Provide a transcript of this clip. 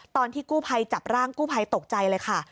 ตอนที่กู้ภัยจับร่างกู้ภัยตกใจเลยค่ะ